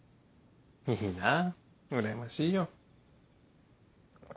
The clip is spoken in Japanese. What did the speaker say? いいなうらやましいよ。